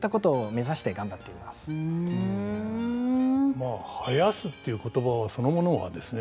まあ囃すっていう言葉そのものはですね